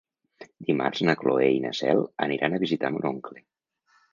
Dimarts na Cloè i na Cel aniran a visitar mon oncle.